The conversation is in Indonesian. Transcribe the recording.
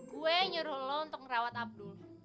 gue nyuruh lo untuk ngerawat abdul